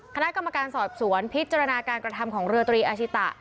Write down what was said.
คณะกรรมการสอบสวนพิจารณาการกระทำของเรือตรีอาชิตะ